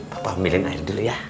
bapak ambilin air dulu ya